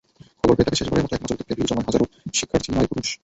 খবর পেয়ে তাকে শেষবারের মতো একনজর দেখতে ভিড় জমায় হাজারো শিক্ষার্থী, নারী-পুরুষ।